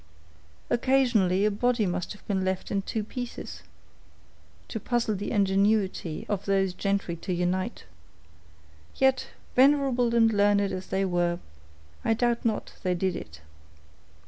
"Occasionally a body must have been left in two pieces, to puzzle the ingenuity of those gentry to unite. Yet, venerable and learned as they were, I doubt not they did it."